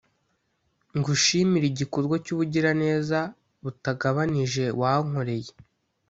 ngushimire igikorwa cyubugiraneza butagabanije wankoreye,